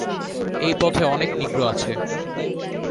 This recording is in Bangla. এই পথে অনেক নিগ্রো আছে।